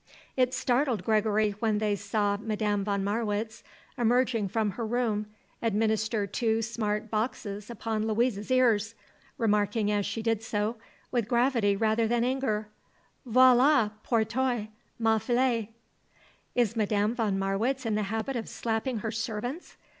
It startled Gregory when they saw Madame von Marwitz, emerging from her room, administer two smart boxes upon Louise's ears, remarking as she did so, with gravity rather than anger: "Voilà pour toi, ma fille." "Is Madame von Marwitz in the habit of slapping her servants?"